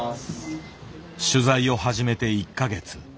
取材を始めて１か月。